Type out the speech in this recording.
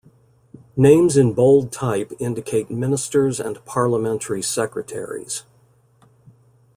Names in bold type indicate Ministers and Parliamentary Secretaries.